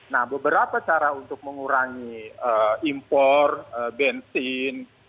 nah beberapa cara untuk mengurangi impor bensin